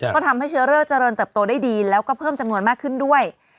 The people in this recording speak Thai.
ก็ทำให้เชื้อโรคเจริญเติบโตได้ดีแล้วก็เพิ่มจำนวนมากขึ้นด้วย